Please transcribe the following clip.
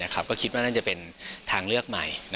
ก็คิดว่าน่าจะเป็นทางเลือกใหม่